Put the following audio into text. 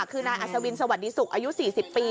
คือนายอัศวินสวัสดีศุกร์อายุ๔๐ปี